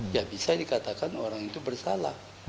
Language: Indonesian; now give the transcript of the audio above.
ya bisa dikatakan orang itu bersalah